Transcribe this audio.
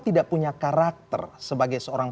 tidak punya karakter sebagai seorang